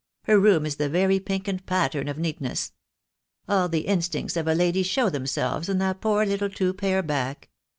Her room is the very pink and pattern of neatness. All the instincts of a lady show themselves in that poor little two pair back.